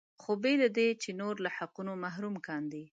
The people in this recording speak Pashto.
خو بې له دې چې نور له حقونو محروم کاندي.